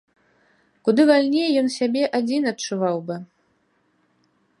Куды вальней ён сябе адзін адчуваў бы.